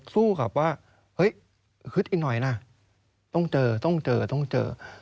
สู้กับว่าเฮ้ยฮึดอีกหน่อยนะต้องเจอต้องเจอต้องเจอ